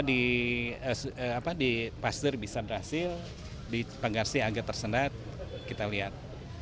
karena di pasir bisa berhasil di pagarsih agak tersendat kita lihat